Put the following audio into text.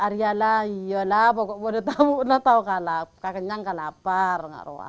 aryala iyalah pokoknya kamu tahu kalau kenyang atau lapar